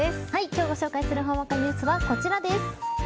今日ご紹介するほんわかニュースはこちらです。